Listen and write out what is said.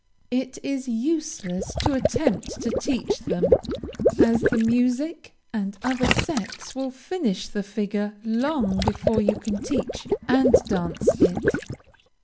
It is useless to attempt to teach them, as the music, and other sets, will finish the figure long before you can teach and dance it.